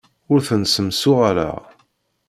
Ur ten-ssemsuɣaleɣ.